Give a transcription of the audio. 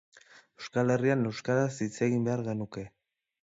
Euskal Herrian euskaraz hitz egin behar genuke